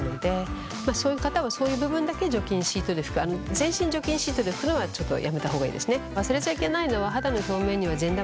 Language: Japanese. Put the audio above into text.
全身を除菌シートで拭くのはちょっとやめた方がいいですね。